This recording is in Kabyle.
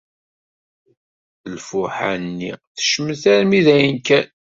Lfuḥa-nni tecmet armi d ayen kan.